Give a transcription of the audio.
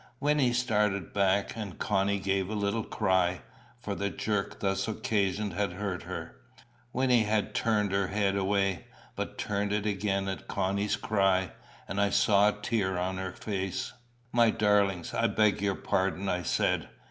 Wynnie started back, and Connie gave a little cry, for the jerk thus occasioned had hurt her. Wynnie had turned her head away, but turned it again at Connie's cry, and I saw a tear on her face. "My darlings, I beg your pardon," I said.